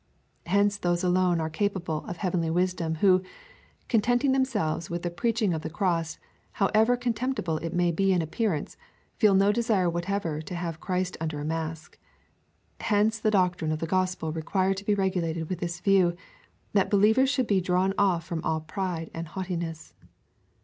^ Hence those alone are capable of heavenly wisdom who, contenting themselves with the preaching of the cross, however contemptible it may be in appearance, feel no desire whatever to have Christ under a mask. Hence the doctrine of the gospel required to be regulated with this view, that believers should be drawn ofl'from all pride and haughtiness.